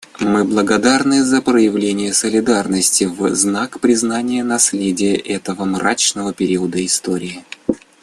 Мы благодарны за проявление солидарности в знак признания наследия этого мрачного периода истории.